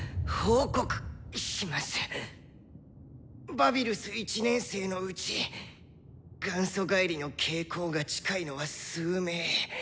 バビルス１年生のうち元祖返りの傾向が近いのは数名。